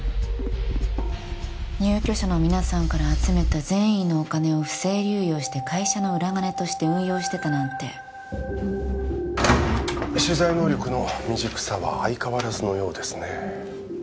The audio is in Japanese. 入居者の皆さんから集めた善意のお金を不正流用して会社の裏金として運用してたなんて取材能力の未熟さは相変わらずのようですね・